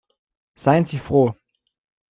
Seien Sie froh.